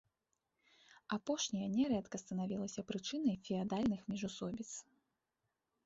Апошняе нярэдка станавілася прычынай феадальных міжусобіц.